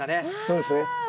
そうですね。